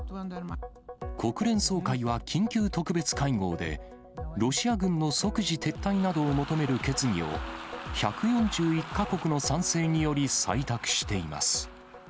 国連総会は緊急特別会合で、ロシア軍の即時撤退などを求める決議を、１４１か国の賛成により採択しています。